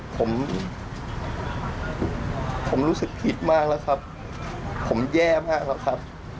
ผมผมรู้สึกผิดมากค่ะผมแย่มากค่ะ